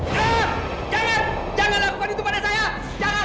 jangan jangan lakukan itu pada saya